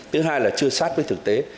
thứ hai là chưa sát với thực tế